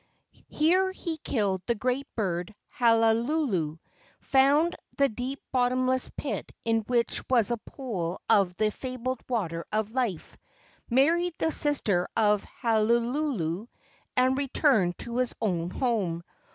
Here he killed the great bird Halulu, found the deep bottomless pit in which was a pool of the fabled water of life, married the sister of Halulu, and returned to his old home.